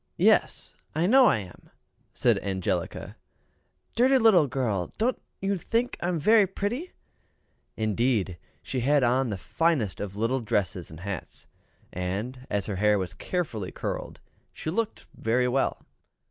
"Yes, I know I am," said Angelica. "Dirty little girl, don't you think I am very pretty?" Indeed, she had on the finest of little dresses and hats; and, as her hair was carefully curled, she really looked very well.